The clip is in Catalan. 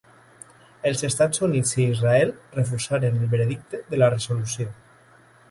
Els Estats Units i Israel refusaren el veredicte de la resolució.